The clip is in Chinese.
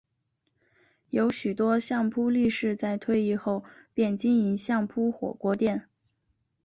有许多相扑力士在退役后便经营相扑火锅店。